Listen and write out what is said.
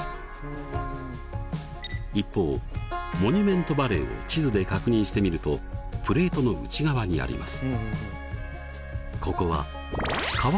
一方モニュメントバレーを地図で確認してみるとプレートの内側にあります。